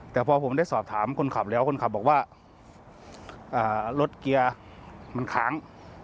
แต่พอผมได้สอบถามคนขับแล้วคนขับบอกว่ารถเกียร์มันค้าง